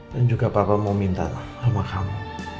dan juga papa mau minta sama kamu